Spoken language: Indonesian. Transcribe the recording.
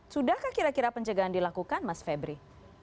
sudahkah kira kira pencegahan dilakukan mas febri